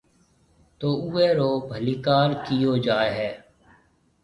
تو اُوئي رو ڀليڪار ڪئيو جائي هيَ۔